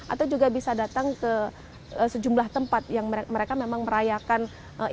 atau juga bisa datang ke sejumlah tempat yang mereka memang merayakan ibadah